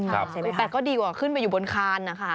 ใช่ไหมคะอีกแปลก็ดีกว่าขึ้นไปอยู่บนคานนะค่ะ